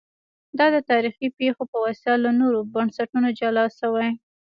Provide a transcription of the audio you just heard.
دا د تاریخي پېښو په واسطه له نورو بنسټونو جلا شوي